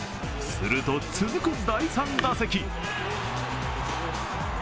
すると、続く第３打席。